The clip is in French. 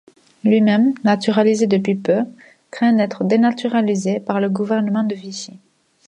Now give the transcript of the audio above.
Lui-même, naturalisé depuis peu, craint d'être dénaturalisé par le gouvernement de Vichy.